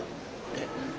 えっ！